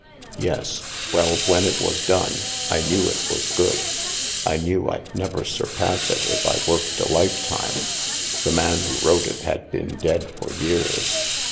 Yes. Well, when it was done, I knew it was good. I knew I'd never surpass it if I worked a lifetime. The man who wrote it had been dead for years.